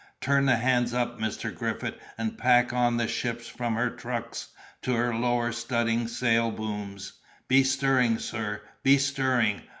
Turn the hands up, Mr. Griffith, and pack on the ship from her trucks to her lower studding sail booms. Be stirring, sir, be stirring!